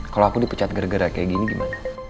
kalau aku dipecat gara gara kayak gini gimana